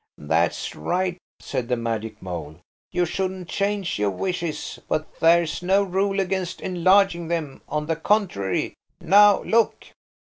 "That's right," said the magic mole. "You shouldn't change your wishes; but there's no rule against enlarging them–on the contrary. Now look!"